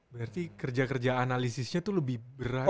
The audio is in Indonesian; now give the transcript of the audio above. berarti kerja kerja analisisnya itu lebih berat